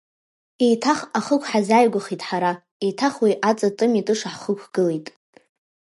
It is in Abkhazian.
Еиҭах ахықә ҳазааигәахеит ҳара, еиҭах уи аҵа тымитыша ҳхықәгылеит…